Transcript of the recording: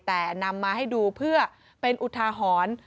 แต่นำมาให้ดูเพื่อเป็นอุทาหรณ์